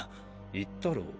言ったろう。